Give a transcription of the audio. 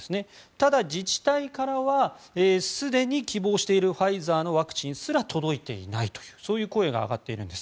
ただ、自治体からはすでに希望しているファイザーのワクチンすら届いていないという声が上がっているんです。